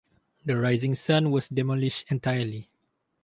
The Rising Sun was demolished entirely.